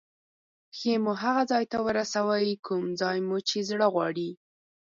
پښې مو هغه ځای ته رسوي کوم ځای مو چې زړه غواړي.